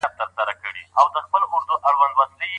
د الکولو څښل بدن ته څه زیان لري؟